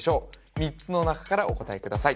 ３つの中からお答えください